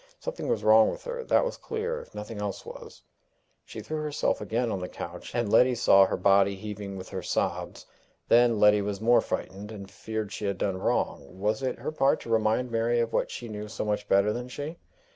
Something was wrong with her: that was clear, if nothing else was! She threw herself again on the couch, and Letty saw her body heaving with her sobs. Then Letty was more frightened, and feared she had done wrong. Was it her part to remind Mary of what she knew so much better than she?